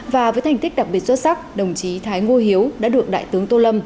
và với thành tích đặc biệt xuất sắc đồng chí thái ngô hiếu đã được đại tướng tô lâm